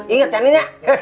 ingat ya nin